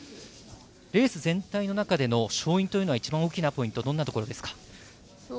レース全体の中での勝因というのは一番大きなポイントはいかがですか？